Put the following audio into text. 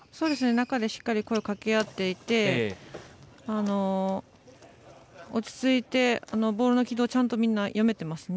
中でしっかり声をかけ合っていて落ち着いて、ボールの軌道をみんなちゃんと読めていますね。